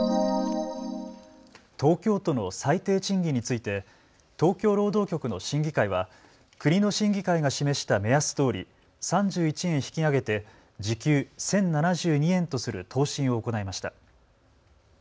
東京都の最低賃金について東京労働局の審議会は国の審議会が示した目安どおり３１円引き上げて時給１０７２円とする答申を行いました。